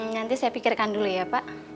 nanti saya pikirkan dulu ya pak